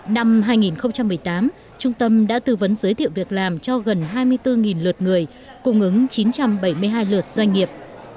năm hai nghìn một mươi tám trung tâm đã tư vấn giới thiệu việc làm cho gần hai mươi bốn lượt người cung ứng chín trăm bảy mươi hai lượt doanh nghiệp